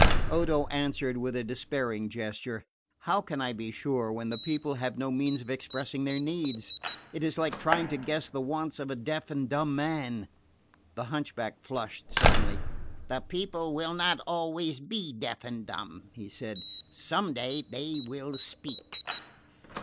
Odo answered with a despairing gesture. "How can I be sure, when the people have no means of expressing their needs? It is like trying to guess the wants of a deaf and dumb man!" The hunchback flushed suddenly. "The people will not always be deaf and dumb," he said. "Some day they will speak."